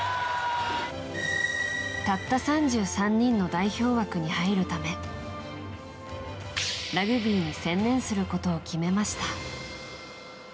たった３３人の代表枠に入るためラグビーに専念することを決めました。